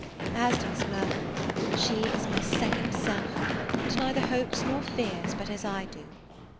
As to Miss Mirvan, she is my second self, and neither hopes nor fears but as I do.